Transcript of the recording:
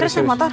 serius ya motor